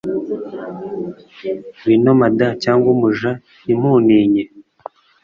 Ngwino mada cyangwa umuja, ntimutinye,